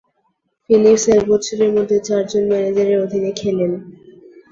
Philips এক বছরের মধ্যে চারজন ম্যানেজারের অধীনে খেলেন।